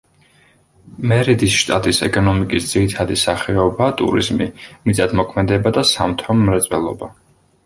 მერიდის შტატის ეკონომიკის ძირითადი სახეობაა ტურიზმი, მიწათმოქმედება და სამთო მრეწველობა.